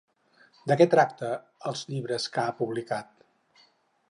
De què tracta els llibres que ha publicat?